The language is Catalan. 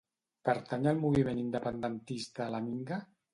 Pertany al moviment independentista la Minga?